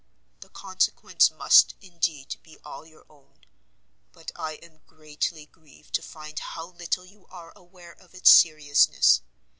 The consequence must, indeed, be all your own, but I am greatly grieved to find how little you are aware of its seriousness.